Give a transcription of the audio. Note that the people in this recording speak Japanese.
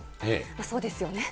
そうですよね。